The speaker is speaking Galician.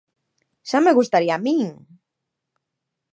¡Xa me gustaría a min!